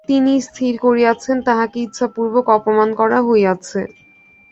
তিনি স্থির করিয়াছেন তাঁহাকে ইচ্ছাপূর্বক অপমান করা হইয়াছে।